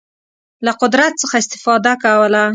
له قدرت څخه استفاده کوله.